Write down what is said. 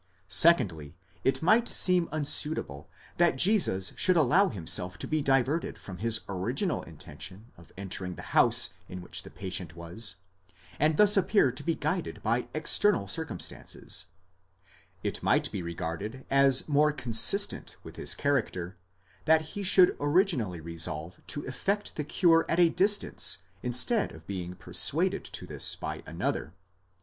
Secondly, it might seem unsuitable that Jesus should allow himself to be diverted from his original intention of entering the house in which the patient was, and thus appear to be guided by external circumstances; it might be regarded as more consistent with his character that he should originally re solve to effect the cure at a distance instead of being persuaded to this by another.